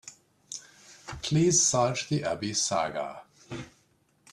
Please search the Abby saga.